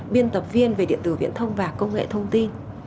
biên tập viên về điện tử viễn thông và công nghệ thông tin